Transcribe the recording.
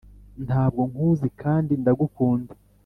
ntabwo nkuzi kandi ndagukunda.